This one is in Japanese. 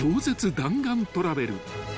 弾丸トラベル］